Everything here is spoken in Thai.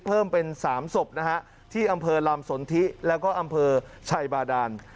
เพิ่มเป็น๓ศพที่อำเภอลำสนธิและอำเภอชัยบาดาล